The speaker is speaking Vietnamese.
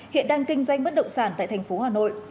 hiện đang kinh doanh bất động sản tại thành phố hà nội